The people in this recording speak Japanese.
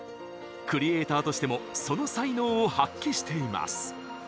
クリエーターとしてもその才能を発揮しています。